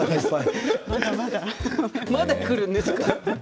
まだくるんですか？